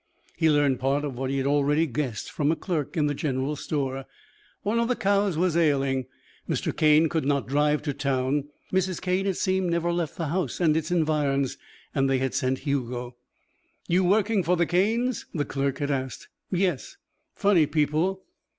He learned part of what he had already guessed from a clerk in the general store. One of the cows was ailing. Mr. Cane could not drive to town (Mrs. Cane, it seemed, never left the house and its environs) and they had sent Hugo. "You working for the Canes?" the clerk had asked. "Yes." "Funny people."